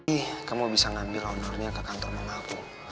ih kamu bisa ngambil honornya ke kantor mama aku